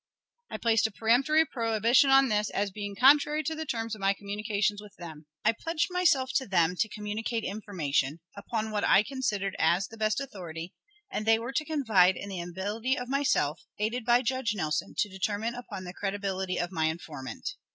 I placed a peremptory prohibition upon this, as being contrary to the terms of my communications with them. I pledged myself to them to communicate information, upon what I considered as the best authority, and they were to confide in the ability of myself, aided by Judge Nelson, to determine upon the credibility of my informant.